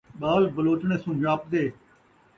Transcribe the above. ٻال ٻلوتڑیں سن٘ڄاپدے